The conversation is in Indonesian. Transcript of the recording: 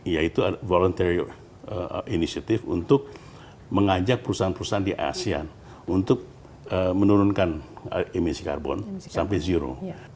yaitu ada volunteer initiative untuk mengajak perusahaan perusahaan di asean untuk menurunkan emisi karbon sampai zero